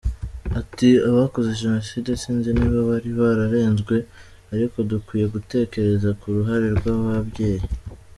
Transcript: Ati “Abakoze Jenoside sinzi niba bari bararezwe ariko dukwiye gutekereza ku ruhare rw’ababyeyi.